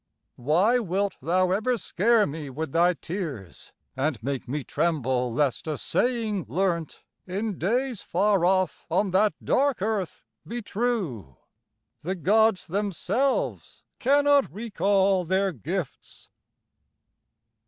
Why wilt thou ever scare me with thy tears, And make me tremble lest a saying learnt, In days far off, on that dark earth, be true? 'The Gods themselves cannot recall their gifts.'